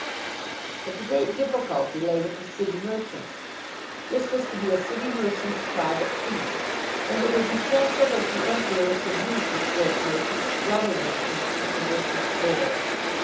But the great difficulty lay with the city merchants. This was to be a city merchant's private feast, and it was essential that the Emperor should meet this great merchant's brother merchants at the merchant's board.